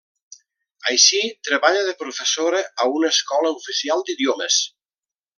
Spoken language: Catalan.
Així, treballa de professora a una Escola Oficial d'Idiomes.